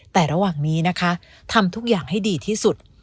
แต่ระหว่างนี้นะคะทำทุกอย่างให้ดีที่สุด